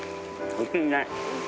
おいしいね。